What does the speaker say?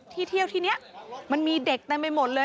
ที่เที่ยวที่นี้มันมีเด็กแต่ไม่หมดเลย